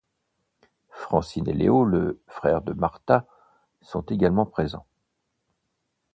Francine et Leo, le frère de Martha, sont également présents.